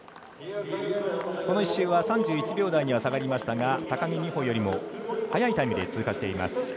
この１周は３１秒台には下がりましたが高木美帆よりも速いタイムで通過しています。